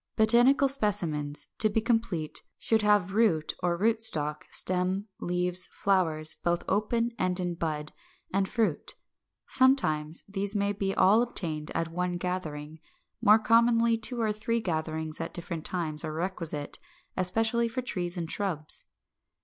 557. =Botanical Specimens=, to be complete, should have root or rootstock, stem, leaves, flowers, both open and in bud, and fruit. Sometimes these may all be obtained at one gathering; more commonly two or three gatherings at different times are requisite, especially for trees and shrubs.